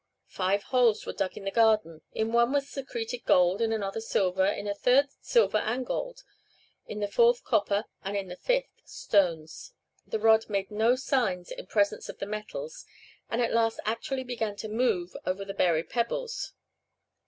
Five holes were dug in the garden. In one was secreted gold, in another silver, in a third silver and gold, in the fourth copper, and in the fifth stones. The rod made no signs in presence of the metals, and at last actually began to move over the buried pebbles.